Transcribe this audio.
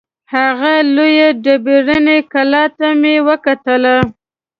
هغې لویې ډبریني کلا ته مې وکتلې.